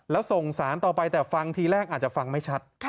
แล้วส่งสารต่อไปแต่ฟังทีแรกอาจจะฟังไม่ชัด